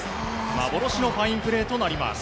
幻のファインプレーとなります。